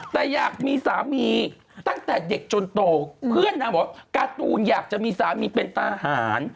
แต่อยากมีสามีตั้งแต่เด็กจนโตเพื่อนนางบอกว่าการ์ตูนอยากจะมีสามีเป็นทหาร